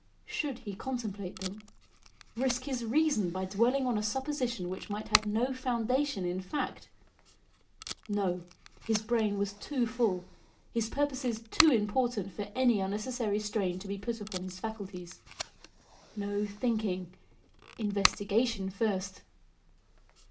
Should he contemplate them? Risk his reason by dwelling on a supposition which might have no foundation in fact? No. His brain was too full his purposes too important for any unnecessary strain to be put upon his faculties. No thinking! investigation first.